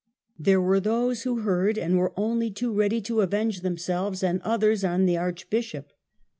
There were those who heard and were only too ready to avenge themselves and others on the archbishop.